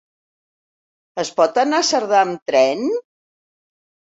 Es pot anar a Cerdà amb tren?